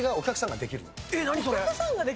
えっ、何それ。